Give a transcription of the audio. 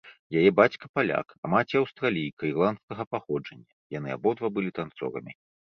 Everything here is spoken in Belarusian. Яе бацька паляк, а маці аўстралійка ірландскага паходжання, яны абодва былі танцорамі.